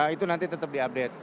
itu nanti tetap di update